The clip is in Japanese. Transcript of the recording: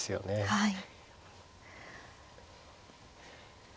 はい。